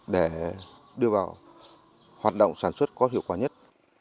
để đưa vào hoạt động sản xuất có hiệu quả nhất